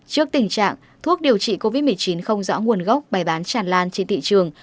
trước tình trạng thuốc điều trị covid một mươi chín không rõ nguồn gốc bày bán tràn lan trên thị trường